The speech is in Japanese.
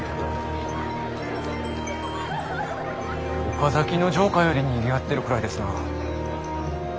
岡崎の城下よりにぎわってるくらいですなあ。